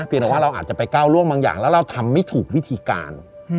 เป็นแต่ว่าเราอาจจะไปก้าวล่วงบางอย่างแล้วเราทำไม่ถูกวิธีการ